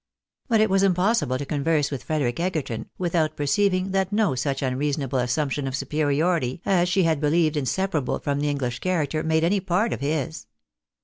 But it was impossible to converse with Frederic Egerton, without perceiving that no such unreasonable assumption of superiority as she had believed inseparable from the English character, made any part of his.